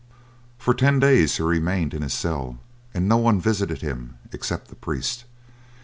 For ten days he remained in his cell, and no one visited him except the priest.